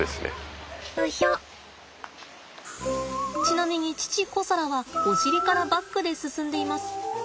ちなみに父コサラはお尻からバックで進んでいます。